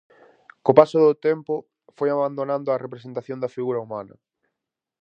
Co paso do tempo foi abandonando a representación da figura humana.